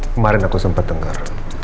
kemarin aku sempet denger